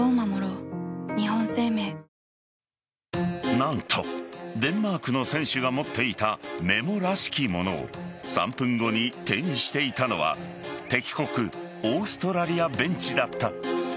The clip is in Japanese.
何とデンマークの選手が持っていたメモらしきものを３分後に手にしていたのは敵国オーストラリアベンチだった。